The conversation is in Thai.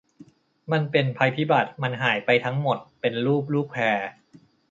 มันเป็นภัยพิบัติ มันหายไปทั้งหมดเป็นรูปลูกแพร์